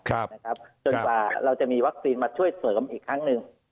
จนกว่าเราจะมีวัคซีนมาช่วยเสริมอีกครั้งหนึ่ง